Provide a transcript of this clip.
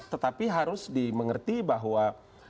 tetapi harus dimengerti bahwa